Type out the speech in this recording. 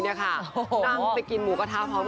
นั่งไปกินหมูกระทะพร้อม